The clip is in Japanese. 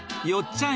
ちゃん